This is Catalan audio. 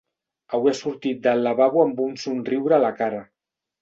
Avui ha sortit del lavabo amb un somriure a la cara.